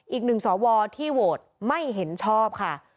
อีกหนึ่งสวที่โหวตไม่เห็นชอบค่ะ